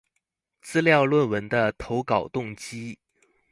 資料論文的投稿動機